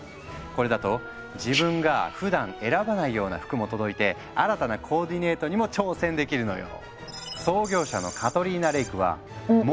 これだと自分がふだん選ばないような服も届いて新たなコーディネートにも挑戦できるのよ。